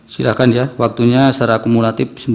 silahkan ya waktunya secara kumulatif